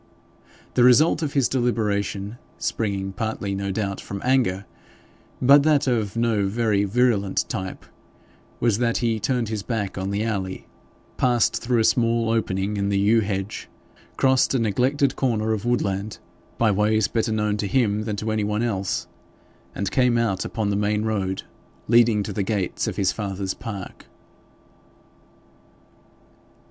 The result of his deliberation, springing partly, no doubt, from anger, but that of no very virulent type, was, that he turned his back on the alley, passed through a small opening in the yew hedge, crossed a neglected corner of woodland, by ways better known to him than to any one else, and came out upon the main road leading to the gates of his father's park.